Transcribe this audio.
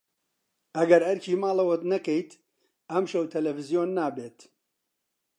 ئەگەر ئەرکی ماڵەوەت نەکەیت، ئەمشەو تەلەڤیزیۆن نابێت.